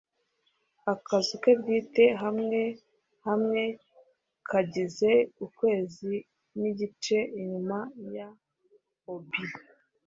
akazu ke bwite, hamwe hamwe kagize ukwezi igice inyuma ya obi